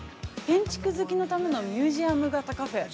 建築好きのためのミュージアム型カフェ。